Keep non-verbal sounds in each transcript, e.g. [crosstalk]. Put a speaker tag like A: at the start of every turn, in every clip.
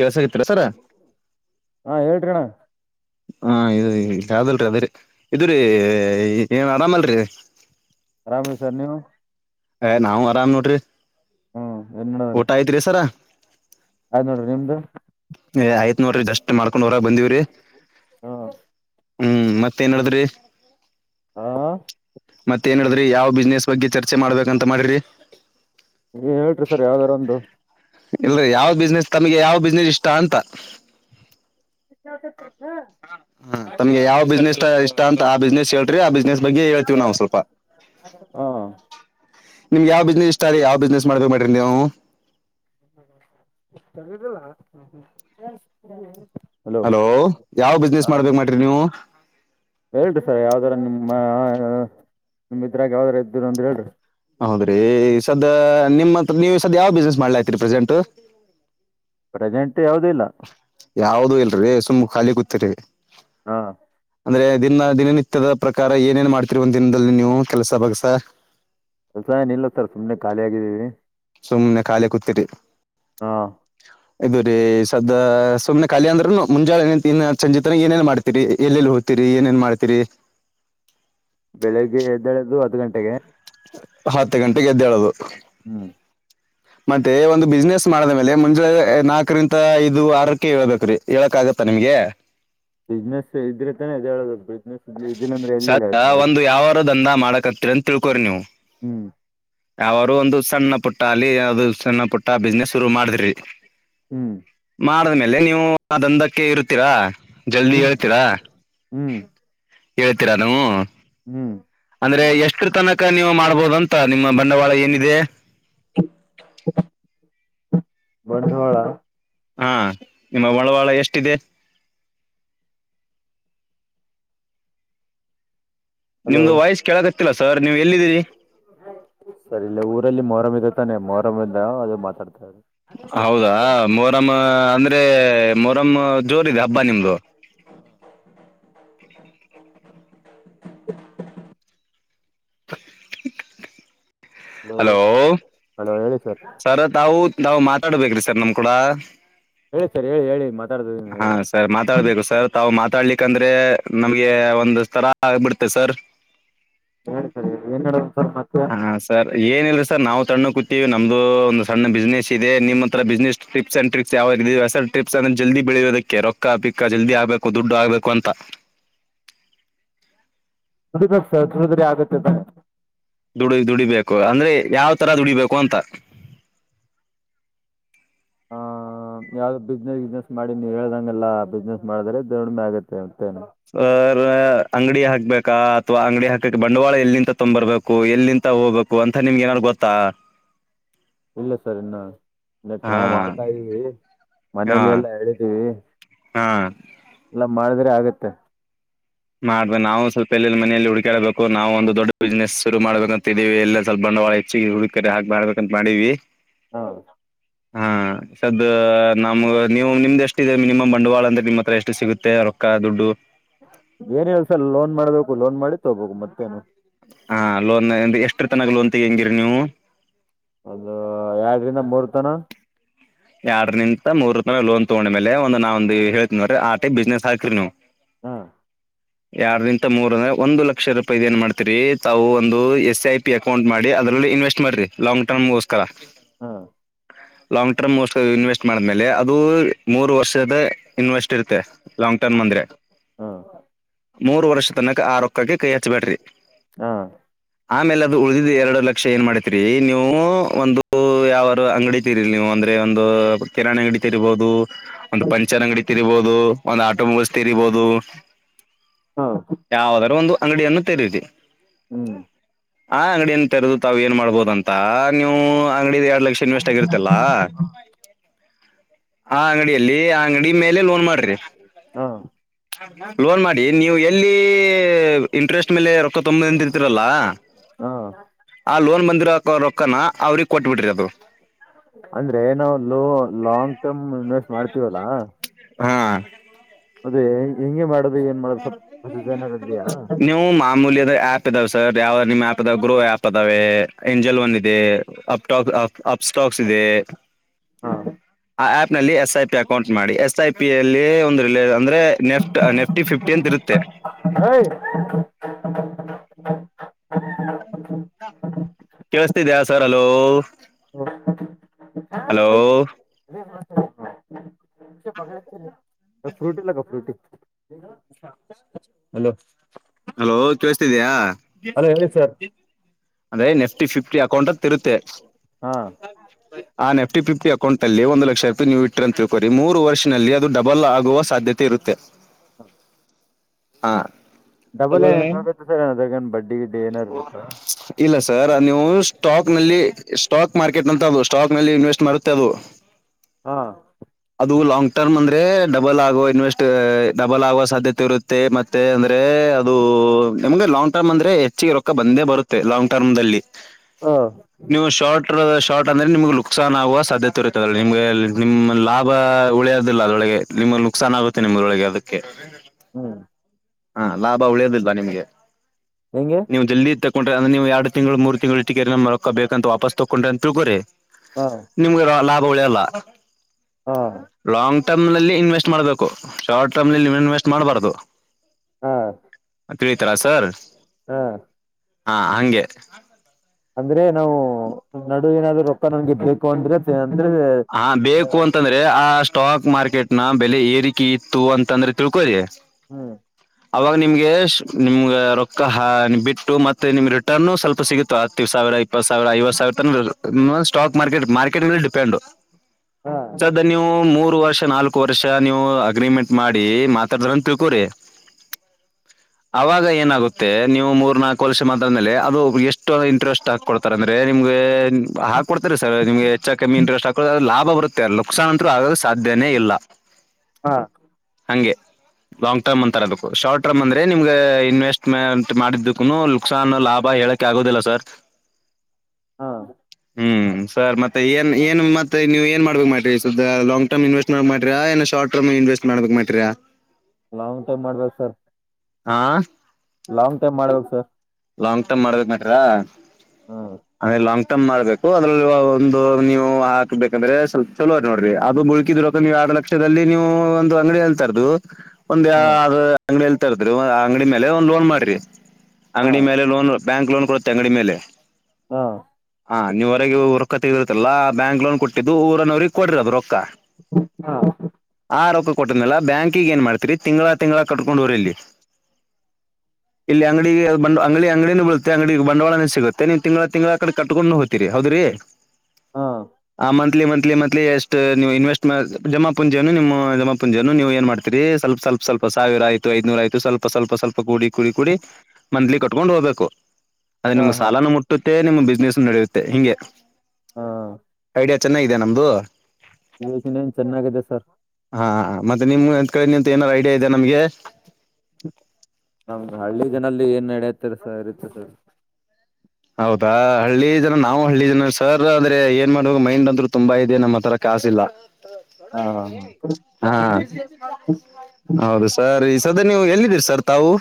A: ಕೆಳ್ಸಾಕತ್ರಿ sir
B: ಹಾ ಹೇಳೇ್ರೀಣ್ಣ
A: ಹಾ ಇದು ಇ ಯಾವ್ದಲ್ರಿ ಅದ್ರರಿ ಇ್ರೀ ಏನ್ ಆರಾಮಲ್ರಿ
B: ಆರಾಮ ರೀ ಸರ್ ನೀವು
A: ನಾವವು ಆರಾಮ್ ನೋಡ್ರಿ
B: ಹ್ಮ್
A: ಊಟ ಐತ್ರಿ ಸರ
B: ಆಯ್ ನೋಡ್ರಿ ನಿಮ್ದು
A: ಏ ಯತ್ ನೂರ ಜಷ್ಟ ಮಾಡ್ಕೊಂಡ್ ಹೊರ ಬಂದವ್ರಿ
B: ಹಾ
A: ಹ್ಮ್ ಮತ್ತೇನ್ಡಿದ್ರಿ
B: ಹಾ
A: ಮತ್ತ ಏನ ಹೇಳಡಿದ್ರಿ ಯಾವ್ ಬಿಸ್ನೆಸ್ ಬಗ್ಗೆ ಚರ್ಚೆ ಮಾಡ್ಬೇಕಂತ ಮಾಡಿ್ರಿ
B: ಏನ್ ಹೇಳೇ್ರಿ ಸರ್ ಯಾವ್ದಾರ ಒಂದು
A: ಇಲ್ರರಿ ಯಾವ ಬಿಸ್ನೆಸ್ ತಮಗೆ ಯಾವ ಬಿಸ್ನೆಸ್ ಇಷ್ಟ ಅಂತ ಹ ತಮ್ಗೆ ಯಾವ ಬಿಸ್ನೆಸ್ ಇಷ್ಟ ಅಂತ ಆ ಬಿಸ್ನೆಸ್ ಹೇಳೇ್ರಿ ಆ ಬಿಸ್ನೆಸ್ ಬಗ್ಗೆ ಹೇಳ್ತೀವಿ್ ನಾ್ ಸ್ವಲ್ಪ
B: ಹಾ
A: ನಿಮ್ಗೆ ಯಾವ್ ಬಿಸ್ನೆಸ್ ಇಷ್ಟಾರಿೀ ಯಾವ್ ಬಿಸ್ನೆಸ್ ಮಾಡ್ಬೇಕಕ್ ಮಾಡ್ರಿ ನೀವು
B: ಚಗಿದಲ್ಲ ಹ್ಮ ಹ್ಮ
A: ಹಲೋ ಯಾವ್ ಬಿಸ್ನೆಸ್ ಮಾಡ್ಬೇಕಕ್ ಮಾಡ್ರಿ ನೀವು
B: ಹೇಳ್ರಿ ಸರ್ ಯಾವ್ದಾರ ನಿಮಮ್ಮ ನಿಮಮ್ಮ ಇದ್ರಾಗ ಯಾವ್ದಾರ ಇದರು ಅಂತ ಹೇಳ್ರಿ
A: ಹೌದ್ರಿ ಸದ ನಿಮ್ಮತ್ರ ನೀವು್ ಸದ್ ಯಾವ್ ಬಿಸ್ನೆಸ್ ಮಾಡ್ಲತ್ರಿ ಪ್ರೆಸೆಂಟ್
B: ಪ್ರೆಸೆಂಟ್ ಯಾವದ ಇಲ್ಲ
A: ಯಾವ್ದೂ ಇಲ್ರಿ ಸುಮ್ಮ್ ಖಾಲಿ ಕೂತ್ರಿ
B: ಹಾ
A: ಅಂದ್ರೆ ದಿನ ದಿನನಿತ್ಯದ ಪ್ರಕಾರ ಏನೇನ್ ಮಾಡ್ತಿರುವ ದಿನದಲ್ಲಿ ನೀವು ಕೆಲಸ ಭಾಗಸ
B: ಹೊಸಾಯ ನಿಲ್ಲತ್ತರ್ ಸುಮನೆ ಖಾಲಿ ಆಗಿದ್ದೀಿ
A: ಸುಮ್ನೆ ಖಾಲಿ ಕೂತಿೀರಿ
B: ಹಾ
A: ಇದು ರೀ ಸದ ಸುಮನೆಖಿ ಅಂದ್ರರುನು ಮುಂಜಳೆ ಏ ಸಂಜಿತನ ಏನೇನ್ ಮಾಡ್ತಿೀರಿ ಎಲ್ಲೆಲ್ಲಿ ಹಿ ಡ್ತೀರಿ ಏನೇನ್ ಮಾಡ್ತೀರಿ
B: ಬೆಳಿಗ್ಗೆ ಎದ್ದಳೆ್ದದು ಹದ್ ಗಂಟೆಗೆ
A: ಹತ್ತು ಗಂಟೆಗೆ ಎದ್ದೇಳೋದು
B: ಹ್ಮ್
A: ಮತ್ತೆ ಒಂದು ಬಿಸ್ನೆಸ್ ಮಾಡದ ಮೇಲೆ ಮುಂಜಾೆ ನಾಲ್ಕರಿಂತ ಐದು ಆರಕ್ಕೆ ಹೇಳ್ಬೇಕ್ರೀ ಹೇಳಕ್ ಆಗತ್ ತ್ತ ನಿಮ್ಗೆ
B: ಬಿಸ್ನೆಸ್ ಇದ್ರೆ ತಾನೆ ಅದ ಹೇಳೋದು ಬಿಸ್ನೆಸ್ ಇದಿಲ್ಲ ಅಂದ್ರೆ ಎಲ್ಲಿಲ್ಲ
A: ಸದ
B: ಎದ್ದೇಳೋದು
A: ಒಂದ್ ಯಾವಾರ ದಂದ ಮಾಡಕತ್ತೀರಿ ಅಂತ ತಿಳ್ಕೋ್ರಿ ನೀವು
B: ಹ್ಮ್
A: ಯಾವಾರರು ಒಂದು ಸಣ್ಣ ಪುಟ್ಟ ಅಲ್ಲಿ ಯದು ಸಣ್ಣ ಪುಟ್ಟ ಬಿಸ್ನೆಸ್ ಶುರು ಮಾಡಿದ್ರಿ
B: ಹ್ಮ್
A: ಮಾಡಿದ್ಮೇಲೆ ನೀವು ಆ ದಂಂದಕ್ಕೆ ಇರುತ್ತೀರಾ ಜಲ್ದಿ
B: ಹ್ಮ್
A: ಹೇಳ್ತೀರಾ
B: ಹ್ಮ್
A: ಹೇಳ್ತೀರಾ ನಾವು
B: ಹ್ಮ್
A: ಅಂದ್ರೆ ಎಷ್ಟು ತನಕ ನೀವು ಮಾಡ್ಬೋದಂತ ನಿಮ್ಮ ಬಂಡವಾಳ ಏನಿದೆ
B: ಬಂಡವಾಳ
A: ಹಾ ನಿಮ್ಮ ಒಳವಾಳ ಎಷ್ಟಿದೆ
B: ಹಲೋ
A: ನಿಮ್ದು ವಾಯ್ಸ್ ಕೇಳಕತ್ತಲ್ಲ ಸರ್ ನೀವು್ ಎಲ್ಲಿದ್ದೀರಿ
B: ಸರಿ ಇಲ್ಲ ಊರಲ್ಲಿ ಮೊಹರಮ್ ಇ ಇದ ತಾನೆ ಮೊಹರಮಂದ ಅದು ಮಾತಾಡ್ತ್ರಾರೆ
A: ಹೌದಾ ಮೊರಂ ಅಂದ್ರೆ ಮೊರಂ ಜೋರಿದೆ ಹಬ್ಬ ನಿಮ್ದು
B: [unintelligible]
A: [unintelligible] ಹಲೋ
B: ಹಲೋ ಹೇಳಿ
A: ಸರ್ ತಾವು ತಾವು ಮಾತಾಡ್ಬೇಕ್ರಿ ಸರ್ ನಮ್ ಕೂಡ
B: ಹೇಳಿ ಸರಿ ಹೇಳಿ ಹೇಳಿ ಮತ್ತ
A: ಹಾ ಸರ್ ಮಾತಾಡ್ಬೇಕು ಸರ್ ತಾವು ಮಾತಾಡ್ಲಿಕ್ಕೆ ಯಾಕಂದ್ರೆ ನಮ್ಗೆ ಒಂದ ತರ ಆಗ್ಬಿಡ್ತೆ ಸರ್
B: ಹೇಳಿ ಸರ್ ಏನ್ ನಡದದ
A: ಹಾ ಸರ್ ಏನಿಲ್ಲ ಸರ್ ನಾವು ತಣ್ಣ ಕೂತೀವಿ ನಮ್ದು ಒಂದು ಸಣ್ಣ ಬಿಸ್ನೆಸ್ ಇದೆ ನಿಮ್ಮತ್ರ ಬಿಸ್ನೆಸ್ ಟ್ರಿಪ್ಸ್ ಅಂಡ್ ಟ್ರಿಪ್ಸ್ ಯಾವಾದರು ಇದ ಸರ್ ಟ್ರಿಪ್ಸ್ ಅಂದ ಜಲ್ದಿ ಬೆಳೆಯೋದಕ್ಕೆ ರೊಕ್ಕ ಪಿಕ್ಕ ಜಲ್ದಿ ಆಗ್ಬೇಕು ದುಡ್ಡು ಆಗ್ಬೇಕು ಅಂತ [unintelligible]
B: ಡ ಸಡಿದ ಆಗತ್ತ [unintelligible]
A: ದುಡಿ ದುಡಿಬೇಕು ಅಂದ್ರೆ ಯಾವ ತರ ದುಡಿಬೇಕು ಅಂತ
B: ಹ ಯಾವ್ದ ಬಿಸ್ನೆಸ್ ವಿಸ್ನೆಸ್ ಮಾಡಿ ನೀ ಹೇಳ್ದಂಗಗೆಲ್ಲ ಬಿಸ್ನೆಸ್ ಮಾಡಿದ್ರೆ ದದುಡಿಮೆ ಆಗತ್ತೆ
A: ಹ ಅಂಗಡಿ ಹಾಕ್ಬೇಕಾ ಅಥವಾ ಅಂಗಡಿ ಹಾಕಕ್ಕೆ ಬಂಡವಾಳ ಎಲ್ಲಿಂತ ತೊಂಬ್ರ್ಬೇಕು ಎಲ್ಲಿಂತ ಹೋಗ್ಬೇಕು ಅಂತ ನಿಮ್ಗೆ ಏನಾದ್ ಗೊತ್ತಾ
B: ಇಲ್ಲ ಸರ್ ಇನ್ನ ಇ
A: ಹಾ
B: ಟ್ರೈ ಮಾಡ್ತಾ ಇದೀವಿ
A: ಹಾ
B: ಮನೇಲಿ ಎಲ್ಲಾ ಹೇಳಿದೀವಿ
A: ಹಾ
B: ಮಾಡಿದ್ರೆ ಆಗತ್ತೆ
A: ಮಾಡ್ಬೇಕ ನಾವು ಸ್ವಲ್ಪ ಎಲ್ಲ ಮನೇೆಯಲ್ಲಿ ಹುಡುಕಾಡಬೇಕು ನಾವು ಒಂದ ದೊಡ್ಡ ಬಿಸ್ನೆಸ್ ಶುರು ಮಾಡಬೇಕ ಅಂತಿದ್ದೀವಿ ಎಲ್ಲ ಸ್ವಲ್ಪ ಬಂಡವಾಳ ಹೆಚ್ಚಿಗೆ ಹುಡುಕ ಹಾಕ್ಬಾರಬೇಕು ಅಂತ ಮಾಡೀವಿ
B: ಹಾ
A: ಹಾ ಸದ ನಮ್ ನೀವು ನಿಮ್ದ ಎಷ್ಟದೆ ಮಿನಿಮಮ್ ಬಂಡವಾಳ ಅಂದೆ ನಿಮ್ ಹತ್ರ ಎಷ್ಟು ಸಿಗುತ್ತೆ ರೊಕ್ಕ ದುಡ್ಡು
B: ಏನಿಲ್ಲ ಸರ್ ಲೋನ್ ಮಾಡ್ಬೇಕು ಲೋನ್ ಮಾಡಿ ತಗ್ಬೋಕು ಮತ್ತೇನು
A: ಹಾ ಲೋನ್ ಎಷ್ಟ್ರ ತನಕ್ ಲೋನ್ ತೆಗಂಗಿರಿ ನೀವು
B: ಅದು ಎರಡರಿಂದ ಮೂರ್ತನ
A: ಎರಡ ನಿಂತ ಮೂರ್ರತನ ಲೋನ್ ತಗೊಂಡ ಮೇಲೇ ಒಂದ ನಾವ ಒಂದ್ ಹೇಳ್ತೀನಿರಿ ಆ ಟೈಪ್ ಬಿಸ್ನೆಸ್ ಹಾಕ್ರರಿ ನೀವು
B: ಹಾಂ
A: ಎರಡರಿಂತ ಮೂರಂದ ಒಂದು ಲಕ್ಷ ರೂಪಾಯಿ ಇದ ಏನ್ ಮಾಡ್ತಿರಿ ತಾವು ಒಂದು ಎಸ್ ಐ ಪಿ ಅಕೌಂಟ್ ಮಾಡಿ ಅದರಲ್ಲಿ ಇನ್ವೆಸ್ಟ್ ಮಾಡ್ರಿ ಲಾಂಗ್ ಟರ್ಮ್ಗೋಸ್ಕರ
B: ಹಾಂ
A: ಲಾಂಗ್ ಟರ್ಮ್ ಇನ್ವೆಸ್ಟ್ ಮಾಡ್ಮೇಲೆ ಅದು ಮೂರು ವರ್ಷದ ಇನ್ವೆಸ್ಟ್ ಇರುತ್ತೆ ಲಾಂಗ್ ಟರ್ಮ್ ಅಂದ್ರೆ
B: ಹಾಂ
A: ಮೂರು ವರ್ಷ ತನಕ ಆರ ಕಕ್ಕಗೆ ಕೈ ಹಚ್ಬೇಡ್ರಿ
B: ಹಾ
A: ಆಮೇಲೆ ಅದು ಉಳ್ದಿದ್ದ ಎರಡು ಲಕ್ಷ ಏನ್ ಮಾಡತಿರಿ ನೀವು ಒಂದು ಯಾವಾರು ಅಂಗಡಿ ತೆಗಿರಿ ನೀವು ಒಂದ ಒಂದು ಕಿರಣಿ ಅಂಗಡಿ ತೀರಬಹುದು ಒಂದು ಪಂಚರ ಅಂಗಡಿ ತೇರಿಬಹುದು ಒಂದು ಆಟೋಮೊಬೈಲ್ಸ್ ತೀರಿಬಹುದು
B: ಹಾಂ
A: ಬಹುದು ಯಾವದರೂ ಒಂದು ಅಂಗಡಿಯನ್ನು ತೆರಿದೆ
B: ಹ್ಞೂ
A: [unintelligible] ಆ ಅಂಗಡಿಯನ್ ತೆರದತಾವು ಏನ್ ಮಾಡ್ಬೋದ ಅಂತ ನೀವು ಅಂಗಡಿದ ಎರಡ್ ಲಕ್ಷ ಇನ್ವೆಸ್ಟ್ ಆಗಿರ್ತಿಲ್ಲಾ ಆ ಅಂಗಡಿಯಲ್ಲಿ ಅಂಗಡಿ ಮೇಲೆ ಲೋನ್ ಮಾಡ್ರಿ
B: ಹ
A: [inaudible] ಲೋನ್ ಮಾಡಿ ನೀವು ಎಲ್ಲಿ ಇಂಟ್ರೆಸ್ಟ್ ಮೇಲೆ ರೊಕ್ಕ ತೊಂಬಂದ ಇರ್ತೀರಲ್ಲ
B: ಹಾ
A: ಆ ಲೋನ್ ಬಂದಿರೋ ರೊಕ್ಕನ ಅವ್ರಿಗ್ ಕೊಟ್ಬಿಟ್ರಿ ಅದು
B: ಅಂದ್ರೆ ನಾವು ಲೋ ಲಾಂಗ್ ಟರ್ಮ್ ಇನ್ವೆಸ್ಟ್ ಮಾಡ್ತೀವಲ್ಲಾ
A: ಹಾ
B: ಅದೇ ಹೆಂಗೆ ಮಾಡ
A: ನೀವು ಮಾಮೂಲಿಯದ ಆಪ್ ಪ್ ಇದಾವೆ ಸರ್ ಯಾವ ನಿಮ್ಮ ಆಪ್ ಅ ಗ್ರೋ ಆಪ್ ಅದಾವೆ ಏಂಜೆಲ್ ಒನ್ ಇದೆ ಅಪಷಟಾಕ ಹೋಗಸಿದೆ ಆ ಆ್ಯಪ್ ನಲ್ಲಿ ಎಸ್ ಐ ಪಿ ಅಕೌಂಟ್ ಮಾಡಿ ಎಸ್ ಐ ಪಿ ಯಲ್ಲಿ ಒಂದು ಅಂದ್ರೆ ನೆಫ್ಟ್ ನೆಫ್ಟ್ ಫಿಫ್ಟಿ ಅಂತ ಇರುತ್ತೆ
B: ಹ
A: ಹ ಹಾ ಕೇೇಳಸ್ತಿದಯ ಸರ್ ಹಲೋ ಹಲೋ
B: ಫ್ರೂಟಿಲ್ಲಕ್ಕಫ್ರೂಟಿ ಹಲೋ
A: ಹಲೋ ಕೇಳಸ್ತಿದಯಾ
B: ಹಲೋ ಹೇಳಿ ಸರ್
A: ಅಂದ್ರೇ ನೆಫ್ಟಿ ಫಿಫ್ಟಿ ಅಕೌಂಟ್ ಇರುತ್ತೆ
B: ಹಾ
A: ಆ ನಫ್ಟಿ ಫಿಫ್ಟಿ ಅಕೌಂಟ್ ಅಲ್ಲಿ ಒಂದು ಲಕ್ಷ ರೂಪಾಯಿ ನೀವು ಇಟ್ಟ್ರ ಅಂತ ತಿಳ್ಕೋರಿ ಮೂರು ವರ್ಷದಲ್ಲಿ ಅದು ಡಬಲ್ ಆಗುವ ಸಾಧ್ಯತೆ ಇರುತ್ತೆ ಹಾ
B: ಡಬಲ್ ಏನ್ ಹೆಂಗ ಆಗುತ್ತೆ ಸರ್ ಅದ್ರಾಗನ್ ಬಡ್ಡಿ ಏನಾದಾರರುತ್ತಾ
A: ಇಲ್ಲ ಸರ್ ನೀವು ಸ್ಟಾಕ್ ನಲ್ಲಿ ಸ್ಟಾಕ್ ಮಾರ್ಕೆಟ್ ಅಂತ ಅದು ಸ್ಟಾಕ್ ನಲ್ಲಿ ಇನ್ವೆಸ್ಟ್ ಮಾಡುತ್ತೆ ಅದು
B: ಹಾ
A: ದು ಲಾಂಗ್ ಟರ್ಮ್ ಅಂದ್ರೆ ಡಬಲ್ ಆಗುವ ಇನ್ವೆಸ್ಟ್ ಡಬಲ್ ಆಗುವ ಸಾಧ್ಯತೆ ಇರುತ್ತೆ ಮೆ ಮತ್ತೆ ಅಂದ್ರೆ ಅದು ನಮ್ಗೆ ಲಾಂಗ್ ಟರ್ಮ್ ಅಂದ್ರೆ ಹೆಚ್ಚಿಗೆ ರೊಕ್ಕ ಬಂದೇ ಬರುತ್ತೆ ಲಾಂಗ್ ಟರ್ಮ್ ಅಲ್ಲಿ
B: ಹಾ
A: ಶಾರ್ಟ್ ಅಂದ್ರೆ ನಿಮ್ಗೆ ನುಕ್ಸಾನ್ ಆಗುವ ಸಾಧ್ಯತೆ ಇರುತ್ತ ಅ ನಿಮ್ಗೆ ನಿಮ್ ಲಾಭ ಉಳಿಯೋದಿಲ್ಲ ಅದೊಳಗೆ ನಿಮ್ಮಲ್ಲಿ ನುಕ್ಸಾನ್ ಆಗುತ್ತೆ ನಿಮ್ಮರೊಳಗೆ ಅದಕ್ಕೆ
B: ಹ್ಮ್
A: ಹಾ ಲಾಭ ಉಳಿಯದಲ್ವಾ ನಿಮ್ಗೆ
B: ಹೆಂಗೆ
A: ನೀವು ಜಲ್ದಿ ತ ೊಂಡ್ರಿ ಅ್ರ ನೀವು ಎರಡು ತಿಂಗಳು ಮೂರು ತಿಂಗಳು ಟಗರಿ ನ ಮರಕ ಬೇಕಂತ ವಾಪಸ್ ತಕೊಂಡ್ರಿ ಅಂತ ತಿಳ್ಕೋಿ
B: ಹಾ
A: ನಿಮ್ಗೆ ಲಾಭ ಉಳಿ ಅಲ್ಲ
B: ಹಾ
A: ಟಮ್ ನಲ್ಲಿ ಇನ್ವೆಸ್ಟ್ ಮಾಡ್ಬೇಕು ಶಾರ್ಟ್ ಟರ್ಮ್ ನಲ್ಲಿ ಇನ್ವೆಸ್ಟ್ ಮಾಡಬಾರ್ದು
B: ಹಾ
A: ತಿಳಿತಲಾ ಸರ್
B: ಹಾ
A: ಹಾ ಹಗೆ
B: ಅಂದ್ರೆ ನಾವು ನಡು ಏನಾದ್ೂ ರೊಕ್ಕ ನಮ್ಗೆ ಬೇಕು ಅಂದ್ರೆ ಅಂದ್ರೆ
A: ಹಾ ಬೇಕು ಅಂತಂದ್ರೆ ಆ ಅಷ್ಟ ಸ್ಟಾಕ್ ಮಾರ್ಕೆಟ್ ನ ಬೆಲೆ ಏರಿಕೆ ಇತ್ತು ಅಂತಂದ್ರೆ ತಿಳ್ಕೋದೆ
B: ಹ್ಮ್
A: ಅವಾಗ ನಿಮ್ಗೆ ನಿಮ್ಗ ರೊಕ್ಕ ಹ ಬಿಟ್ಟು ಮತ್ತೆ ನಿಮ್ ರಿಟರ್ನ್ ಸ್ವಲ್ಪ ಸಿಗುತ್ತು ಹತ್ತಿವ ಸಾವಿ ಇಪ್ಪತ್ ಸಾವಿರ ಐವ ಸಾವರ ತ ಸ್ಟಾಕ್ ಮಾರ್ೆಟ್ ಮಾರ್ಕೆಟ್ಲ್ಲಿ ಡಿಪೆಂಡ್
B: ಹಾ
A: ಸದ ನೀವು ಮೂರು ವರ್ಷ ನಾಲ್ಕು ನಕ್ಕ ವರ್ಷ ನೀವು ಅಗ್ರಿಮೆಂಟ್ ಮಾಡಿ ಮಾತಾಡಿದಾರಂತ ತಿಳ್ಕೋ್ರಿ ಅವಾಗ ಏನಾಗುತ್ತೆ ನೀವು ಮೂರ್ ನಾಲ್ಕು ವಲಸೆ ಮಾತ್ರಾದ್ಮೇಲೆ ಅದು ಎಷ್ಟು ಇಂಟ್ರೆಟ್ ಹಾ ಕೊಡ್ತಾರೆ ಅಂದ್ರೆ ನಿಮಗೆ ಹಾ ಕೊಡ್ತಾರೆ ಸರ್ಮಗೆ ಹೆಚ್ಚ ಕಮ್ಮಿ ಇಂಟ್ರೆಸ್ಟ್ ಹಾ ಲಾಭ ಬರುತ್ತೆ ಅ ಲುಕ್ಸಾನ್ ಅಂತೂ ಆಗದು ಸಾಧ್ಯನೇ ಇಲ್ಲ
B: ಹಾ
A: ಹಂಗೆ ಲಾಂಗ್ ಟರ್ಮ್ ಅಂತರಬೇಕು ಶಾರ್ಟ್ ಟರ್ಮ್ಂದ್ರೆ ನಿಮ್ಗೆ ಇನ್ವೆಸ್ಟ್ಮೆಂಟ್ ಮಾಡಿದ್ದಕ್ಕುನು ನುಕ್ಸಾನ್ ಲಾಭ ಕೇಳಕ್ಕೆ ಆಗೋದಿಲ್ಲ ಸರ್
B: ಹಾ
A: ಹ್ಮ್ ಸರ್ ಮತ್ತೆ ಏನ್ ಏನು ಮತ್ತ ಮತ್ತ ನೀವ ಏನ್ ಮಾಡ್ಬೇಕಕ್ ಮಾಡ್ರಿ ಸುದ್ದ ಲಾಂಗ ಟಮ್ ಇನ್ವೆಸ್ಟ್ ಮಾಡಕ್ ಮಾಡ್ರಿಾಏ ಶಾರ್ಟ ಟಮ್ ಇನ್ವೆಸ್ಟ್ ಮಾಡ್ಕ್ ಮಾಡ್ರಿಾ
B: ಲಾಂಗ್ ಟೈಮ್ ಮಾಡ್ಬೇಕು ಸರ್
A: ಹಾ
B: ಲಾಂಗ್ ಟೈಮ್ ಮಾಡ್ಬೇಕು ಸರ್
A: ಲಾಂಗ್ ಟರ್ಮ್ ಮಾಡ್ಬೇಕಕ್ ನಟ್ರ
B: ಹ್ಮ್
A: ಆಮೇಲೆ ಲಾಂಗ್ ಮಾಡ್ಬೇಕು ಅದ್ರಲ್ಲಿ ಒಂದು ನೀವು ಹಾಕ್ಬೇಕಂದ್ರೆ ಚಲುವ ನೋಡ್ರಿ ಅದು ಮುಳಳ್ಕಿ ದೊರಕ ನೀವುಾ ಲಕ್ಷದಲ್ಲಿ ನೀವು ಒಂದು ಅಂಗಡಿ ಹಲ್ತಾರದು ಒಂದ್ ಯ್
B: ಹ್ಮ್
A: ಅಂಗಡಿ ಎತ ಇರ್ದಿ ಅಂಗಡಿ ಮೇಲೆ ಒಂದ್ ಲೋನ್ ಮಾಡ್ರಿ
B: ಹಾ
A: ಅಂಗಡಿ ಮೇಲೆ ಲೋನ್ ಬ್ಯಾಂಕ್ ಲೋನ್ ಕೊಡುತ್ತೆ ಅಂಗಡಿ ಮೇಲೆ
B: ಹಾ
A: ಹಾ ನೀವರೆಗೆರುಕ್ಕ ತಗಿರತ್ತಲ್ಲ ಬ್ಯಾಂಕ್ ಲೋನ್ ಕೊಟ್ಟಿದ್ದು ಊರನ್ನವ್ರಿಗೆ ಕೊಡಿರದು
B: ಹಾ
A: ಕೊಟ್ಟನಲ್ಲ ಬ್ಯಾಂಕಿಗ್ ಏನ್ ಮಾಡ್ತತಿರಿ ತಿಂಗಳಾ ತಿಂಗಳ ಕಟ್ಕೊಂಡ ಹೂರಿ ಇಲ್ಲಿ ಇಲ್ಲಿ ಅಂಗಡಿಗೆ ಅಂಗಡಿ ಅಂಗಡಿನ ಬಳುತ್ತ ಅಂಗಡಿಗೆ ಬಂಡವಾಳಾನೇ ಸಿಗುತ್ತೆ ನೀವು ತಿಂಗಳ ತಿಂಗಳ ಕಡೆ ಕಟ್ಕೊಂಡು ಹೋತಿರಿ ಹೌದ್ರಿ ಆ ಮ ಮಂತ್ಲಿ ಮಂತ್ಲಿ ಎಷ್ಟು ನೀವು ಇನ್ವೆಸ್ಟ್ ಜಮ ಪುಂಜನ್ನು ನಿಮ್ಮ ಜಮಾ ಪುಂಜಿಯನ್ನು ನೀವು ಏನ್ ಮಾಡ್ತೀರಿವಲ್ಪವಲ್ಪ ಸ್ವಲ್ ಸಾವಿ ಆಯತುಐನೂರ ಸ್ವಲ್ಪ ಸ್ವಲ್ಪ ಸ್ವಲ್ಪ ಕೂಡಿ ಕೂಡಿ ಕೂಡಿ ಮಂತ್್ಲಿ ಕಟ್ಕೊಂಡು ಹೋಗ್ಬೇಕು ಅದ
B: ಹಾ
A: ನಿಮ್
B: ಹಾ
A: ಸಾಲಾನ ಮುಟ್ಟುತ್ತೆ ನಿಮ್ಮ್ ಬಿಸ್ನೆಸ್ ನಡೆಯುತ್ತೆ ಹಿಂಗೆ
B: ಹಾ
A: ಡಿಯ ಚೆನ್ನಾಗಿದೆ ನಮ್ದು
B: ಯಜ ನ್ ಚೆನ್ನಾಗಿದೆ ಸರ್
A: ಹಾ ಮತ್ತೆ ನಿಮ್ ಎ್ ಕಡೆ ನಿ ಏನಾದ್ ಐಡಿಯಾ ಇದೆ ನಮ್ಗೆ
B: ನಮ್ ಹಳ್ಳಿ ಜನಲ್ಲಿ ಏನ್ ನಡೆಯತಾರೆ ಸ ಇರುತ್ತ ಸರ್
A: ಹೌದಾ ಹಳ್ಳಿ ಜನ ನಾವು ಹಳ್ಳಿ ಜನ ಸರ್ ಅಂದ್ರೆ ಏನ್ ಮಾಡ್ಬೇಕ ಮೈಂಡ್ ಅಂದ್ರು ತುಂಬಾ ಇದೆ ನಮ್ಮ ಹತ್ರರ ಕಾಸಿಲ್ಲ
B: ಹಾ ಹಾ ಹಾ
A: ಹ ಹೌದು ಸರಿ ಸದ ನೀವು ಎಲ್ಲಿದ್ದೀರಿ ಸರ್ ತಾವು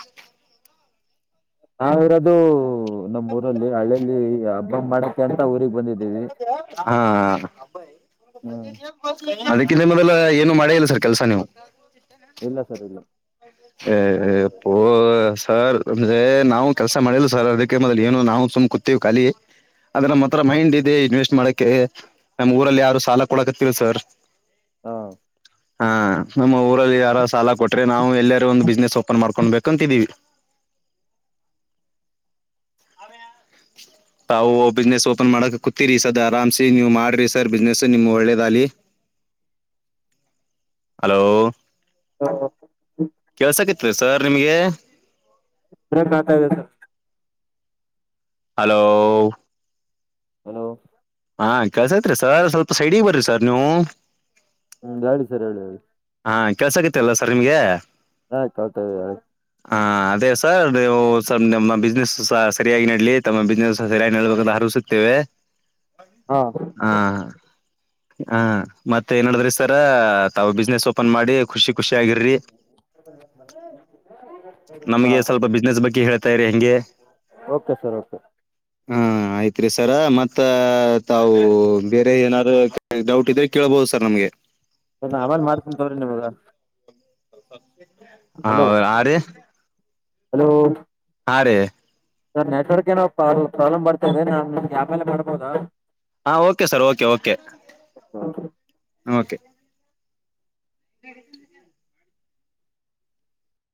B: ನಾವ ಇರೋದು ನಮ್ಮ್ ಊರಲ್ಲಿ ಹಳ್ಳಲ್ಲಿ ಹಬ್ಬ ಮಾಡಕ್ಕೆ ಅಂತ ಊರಿಗೆ ಬಂದಿ
A: ಹಾ ಅ
B: ಹ್ಮ್
A: ಅದಕ್ಕಿಂತ ಮೊದಲ ಏನು ಮಾಡೇ ಇಲ್ಲ ಸರ್ ಕೆಲ್ಸ ನೀವು
B: ಇಲ್ಲ ಸರ್ ಇಲ್ಲ
A: ಹ ಇಪ್ಪ ಸರ್ ಅಂದ್ರೆ ನಾವು ಕೆಲಸ ಮಾಡಿಲ್ಲ ಸರ್ ಅದಕ್ಕೆ ಮೊದಲು ಏನು ನಾವು ಸುಮ್ ಕೂತೀವಿ ಖಾಲಿ ಆದದ್ರ ನಮ್ಮ ಹತ್ರ ಮೈಂಡ್ ಇದೆ ಇನ್ವೆಸ್ಟ್ ಮಾಡಕ್ಕೆೆ ನಮ್ ಊರಲ್ಲಿ ಯಾರು ಸಾಲ ಕೊಡಕತ್ತಿಲ್ಲ ಸರ್
B: ಹಾ
A: ಹಾ ನಮ್ಮ ಊರಲ್ಲಿ ಯಾರೋ ಸಾಲ ಕೊಟ್ರೆ ನಾವು ಎಲ್ಲಾರೂ ಒಂದು ಬಿಸ್ನೆಸ್ ಓಪನ್ ಮಾಡ್ಕೊಂಡ್ಬೇಕು ಕಂತಿದಿವಿ ತಾವು ಬಿಸ್ನೆಸ್ ಓಪನ್ ಮಾಡಕ್ ಕುೂತಿರಿ ಸರ್ ಆರಾಮ್ಸಿ ನೀವು ಮಾಡ್ರಿ ಸರ್ ಬಿಸ್ನೆಸ್ ನಿಮ್ಗೆ ಒಳ್ಳೇದಲಿ ಹಲೋ
B: ಹ ಹ
A: ಕೇಳ್ಸಕತ್ರಿ ಸರ್ ನಿಮ್ಗೆ
B: [unintelligible]
A: ಹಲೋ
B: ಹಲೋ
A: ಹಾ ಕೆಲ್ಸೇತ್ರಿ ಸರ್ ಸ್ವಲ್ಪ ಸೈಡಿಗೆ ಬರ್ರಿ ಸರ್ ನೀವು
B: ಸರಳ
A: ಹಾ ಕೆಲ್ಸಳಕತಿಲ್ಲ ಸರ್ ನಿಮ್ಗೆ
B: ಹಾ ಕೌಳತದ
A: ಹಾ ಅದೇ ಸರ್ ನೀವು ನಮ್ಮ ಬಿಸ್ನೆಸ್ ಸರಿಯಾಗಿ ನಡ್ಲಿ ತಮ್ಮ ಬಿಸ್ನೆಸ್ ಸರಿಯಾಗಿ ನಡ್ಬೇಕ ಸುತ್ತೇವೆ
B: ಹಾ
A: ಹ ಮತ್ತೆ ಏನಡಿದ್ರಿ ಸರ ತಾವ ಬಿಸ್ನೆಸ್ ಓಪನ್ ಮಾಡಿ ಖುಷಿ ಖುಷಿ ಆಗಿರ್ರಿ
B: ಹಾ
A: ನಮ್ಗೆ ಸ್ವಲ್ಪ ಬಿಸ್ನೆಸ್ ಬಗ್ಗೆ ಹೇಳ್ತಾ ಇರಿ ಹಂಗೆ
B: ಓಕೆ ಸರ್ ಓಕೆ
A: ಹಾ ಆಯ್ತ್ರಿ ಸರ ಮತ್ತ ತಾವು ಬೇರೆ ಏನಾದರು ಡೌಟ್ ಇದ್ರೆ ಕೇಳ್ಬಹದು ಸರ್ ನಮ್ಗೆ
B: ಆಮೇಲೆ ಮಾಡತೆನ್ ತಗೂಲನಿಮ್ಗ
A: ಸ್ವಲ್ಪ
B: ಹಲೋ ಹಲೋ
A: ಆ
B: ಸ ನೆಟ್ವರ್ಕ್ ಏನೋ ಪ್ರಾಬ್ಲಮ್ ಬರ್ತಾದೆ ನಾಗೆ ಆಮೇಲೆ ಮಾಡ್ಬೋದಾ
A: ಹಾ ಓಕೆ ಸರ್ ಓಕೆ ೆ ಹ